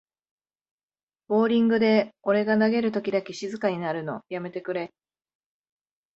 ボーリングで俺が投げるときだけ静かになるのやめてくれ